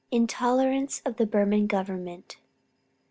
INTOLERANCE OF THE BURMAN GOVERNMENT.